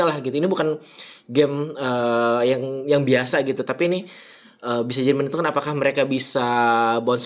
lah gitu ini bukan game yang yang biasa gitu tapi ini bisa jadi menentukan apakah mereka bisa bonds